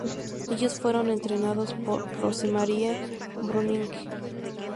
Ellos fueron entrenados por Rosemarie Brüning.